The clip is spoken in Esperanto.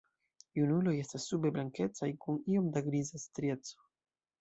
Junuloj estas sube blankecaj kun iom da griza strieco.